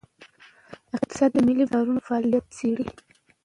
اقتصاد د مالي بازارونو فعالیت څیړي.